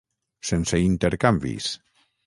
Sense intercanvis.